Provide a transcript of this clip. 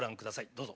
どうぞ。